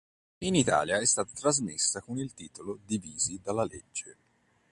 In Italia è stata trasmessa con il titolo "Divisi dalla legge".